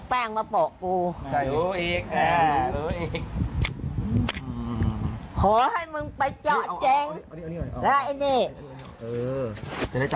พี่รักรถหนึ่งนะ